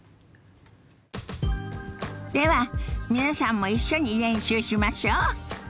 では皆さんも一緒に練習しましょ。